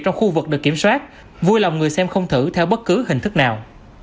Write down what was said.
trong khu vực được kiểm soát vui lòng người xem không thử theo bất cứ hình thức nào